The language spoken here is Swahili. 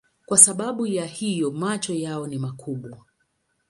Kwa sababu ya hiyo macho yao ni makubwa.